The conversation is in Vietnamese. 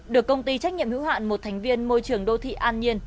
được công ty trách nhiệm hữu hạn một thành viên môi trường đô thị an nhiên